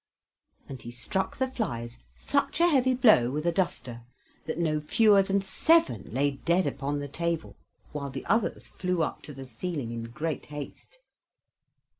and he struck the flies such a heavy blow with a duster that no fewer than seven lay dead upon the table, while the others flew up to the ceiling in great haste.